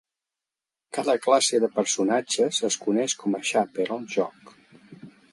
Cada classe de personatges es coneix com "Shaper" al joc.